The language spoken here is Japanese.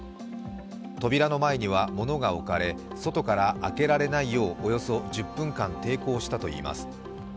扉の前には物が置かれ、外から開けられないようおよそ１０分間抵抗したといいます。